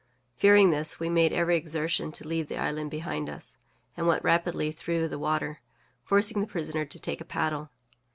Fearing this, we made every exertion to leave the island behind us, and went rapidly through the water, forcing the prisoner to take a paddle.